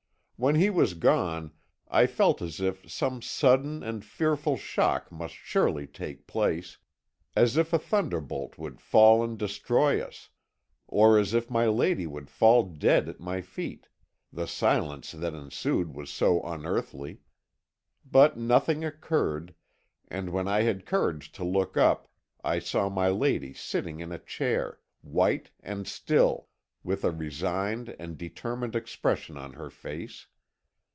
"When he was gone I felt as if some sudden and fearful shock must surely take place, as if a thunderbolt would fall and destroy us, or as if my lady would fall dead at my feet, the silence that ensued was so unearthly. But nothing occurred, and when I had courage to look up I saw my lady sitting in a chair, white and still, with a resigned and determined expression on her face.